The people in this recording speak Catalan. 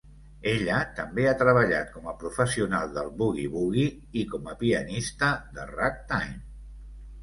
Ella també ha treballat com a professional del bugui-bugui i com a pianista de ragtime.